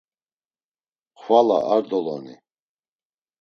Xvala ar doloni.